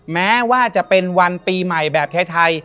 แม้ว่าจะเป็นวันปีใหม่แบบไทย